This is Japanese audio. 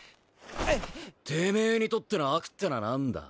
てめえにとっての悪ってのは何だ？